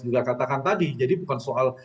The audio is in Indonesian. juga katakan tadi jadi bukan soal